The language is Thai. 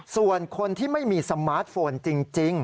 ส่วนคนที่ไม่มีสมาร์ทโฟนจริง